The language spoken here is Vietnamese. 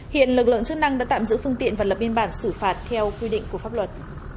hiện lực lượng chức năng đã tạm giữ phương tiện và lập biên bản xử phạt theo quy định của pháp luật